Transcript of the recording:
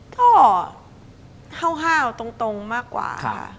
ก็ห้าวตรงมากกว่าค่ะ